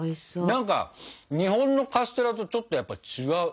何か日本のカステラとちょっとやっぱ違う。